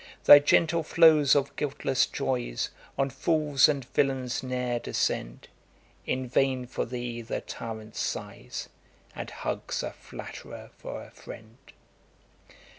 Thy gentle flows of guiltless joys On fools and villains ne'er descend; In vain for thee the tyrant sighs, And hugs a flatterer for a friend.